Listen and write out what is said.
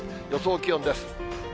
予想気温です。